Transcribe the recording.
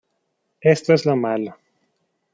Esto es lo malo.